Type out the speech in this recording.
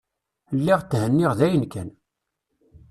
Lliɣ thenniɣ dayen kan.